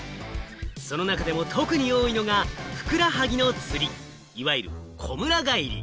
その中でも、特に多いのがふくらはぎのつり、いわゆる、こむら返り。